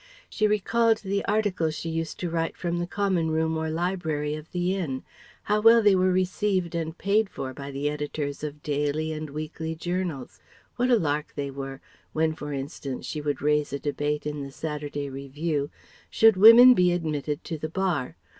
She recalled the articles she used to write from the Common Room or Library of the Inn; how well they were received and paid for by the editors of daily and weekly journals; what a lark they were, when for instance she would raise a debate in the Saturday Review: "Should Women be admitted to the Bar?"